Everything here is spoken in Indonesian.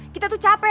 kita tuh capek